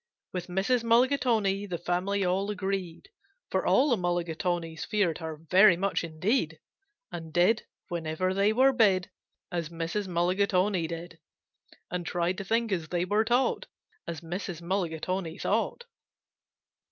With Mrs. Mulligatawny the family all agreed, For all the Mulligatawnys feared her very much indeed, And did, whenever they were bid, As Mrs. Mulligatawny did, And tried to think, as they were taught, As Mrs. Mulligatawny thought.